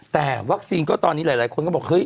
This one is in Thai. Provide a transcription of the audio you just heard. แต่วัคซีนก็ตอนนี้หลายคนก็บอกเฮ้ย